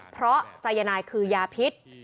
เพราะสายนายคือยาพิษ